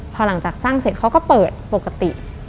พอหลังจากสร้างเสร็จเขาก็เปิดปกติ